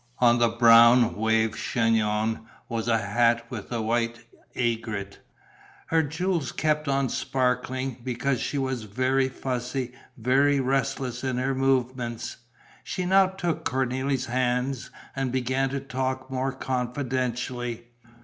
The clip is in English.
On the brown, waved chignon was a hat with a white aigrette. Her jewels kept on sparkling, because she was very fussy, very restless in her movements. She now took Cornélie's hands and began to talk more confidentially.